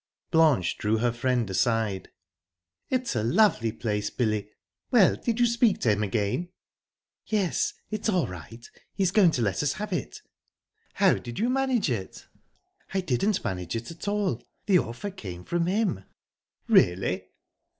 Blanche drew her friend aside. "It's a lovely place, Billy!...Well, did you speak to him again?" "Yes, it's all right he's going to let us have it." "How did you manage it?" "I didn't manage it at all; the offer came from him." "Really?"